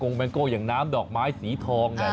ใช่ไหมแบงโก้อย่างน้ำดอกไม้สีทองนะใช่